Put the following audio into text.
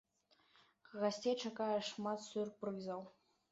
Гасцей чакае шмат сюрпрызаў.